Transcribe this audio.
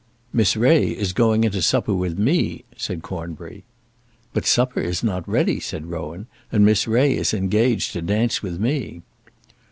"Miss Ray is going into supper with me," said Cornbury. "But supper is not ready," said Rowan, "and Miss Ray is engaged to dance with me."